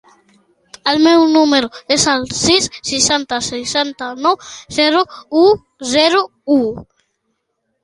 El meu número es el sis, seixanta, seixanta-nou, zero, u, zero, u.